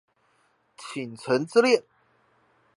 傾城之戀